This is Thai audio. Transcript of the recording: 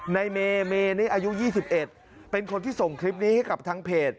ในเมนี่อายุ๒๑เป็นคนที่ส่งคลิปนี้ให้กับทางเพจ